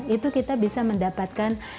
itu kita bisa mendapatkan